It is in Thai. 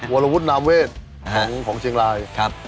วรวุฒินามเวสฯของเฉียงไลน์